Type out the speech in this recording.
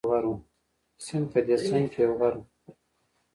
د سیند په دې څنګ کې یو غر وو.